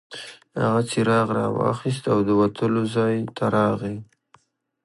هغه څراغ راواخیست او د وتلو ځای ته راغی.